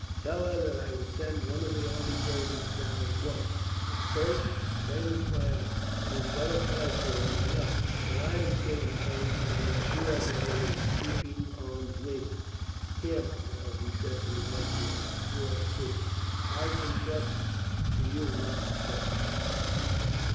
"Tell her that I will send one of the army surgeons down, at once. But first, bandage my arm. It is but a flesh wound, I know; but I am feeling faint, and am sure that it is keeping on bleeding. "Here, my girl," he said to the one who had before assisted, "I can trust to you not to faint."